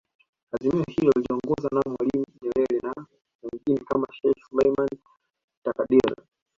Azimio hilo liliongozwa na Mwalimu Nyerere na wengine kama Sheikh Suleiman Takadir